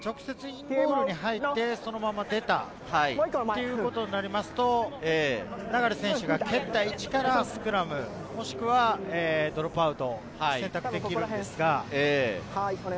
直接インゴールに入ってそのまま出たということになりますと、流選手が蹴った位置からスクラム、もしくはドロップアウトが選択できるんですが。